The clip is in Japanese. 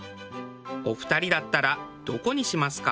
お二人だったらどこにしますか？